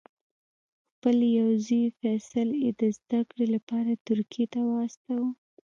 خپل یو زوی فیصل یې د زده کړې لپاره ترکیې ته واستاوه.